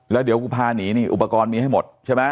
และเดี๋ยวผมพาหนีเนี่ยอุปกรณ์มีให้หมดใช่มะ